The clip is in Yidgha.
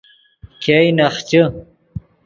ګئے نخچے